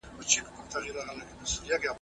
زه اجازه لرم چي مځکي ته وګورم؟